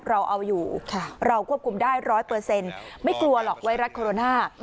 เราเอาอยู่เราควบคุมได้ร้อยเปอร์เซ็นต์ไม่กลัวหรอกไวรัสโคโรน่า